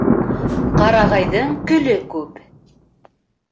Ҡарағайҙың көлө күп